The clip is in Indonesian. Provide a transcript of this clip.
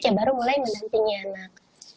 ya baru mulai mendampingi anak